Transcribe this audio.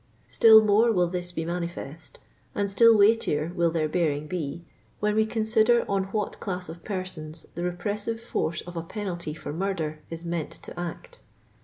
Still more will this be manifest, and still weightier will their bearing be, when we consider on what class of persons the repressive force of a penalty for mur der is meant to act.